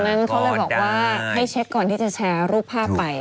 ทดลองก่อนให้เช็กก่อนที่จะแชร์รูปภาพไปแบบนั้นถูกไหม